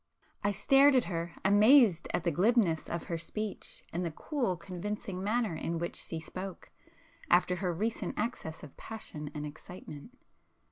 I stared at her, amazed at the glibness of her speech, and the cool convincing manner in which she spoke, after her recent access of passion and excitement.